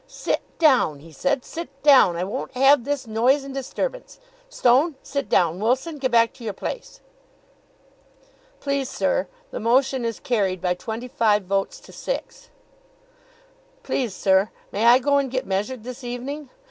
"Sit down!" he said, "sit down! I won't have this noise and disturbance. Stone, sit down Wilson, get back to your place." "Please, sir, the motion is carried by twenty five votes to six." "Please, sir, may I go and get measured this evening?"